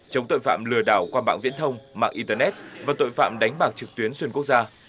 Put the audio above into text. chống tội phạm lừa đảo qua mạng viễn thông mạng internet và tội phạm đánh bạc trực tuyến xuyên quốc gia